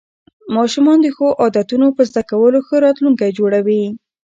ماشومان د ښو عادتونو په زده کولو ښه راتلونکی جوړوي